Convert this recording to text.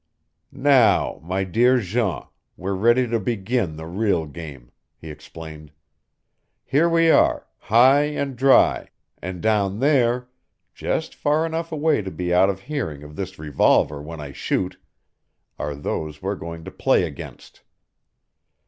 "Now, my dear Jean, we're ready to begin the real game," he explained. "Here we are, high and dry, and down there just far enough away to be out of hearing of this revolver when I shoot are those we're going to play against.